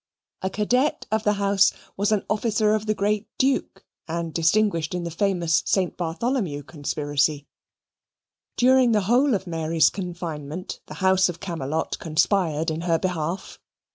A cadet of the house was an officer of the great Duke and distinguished in the famous Saint Bartholomew conspiracy. During the whole of Mary's confinement, the house of Camelot conspired in her behalf.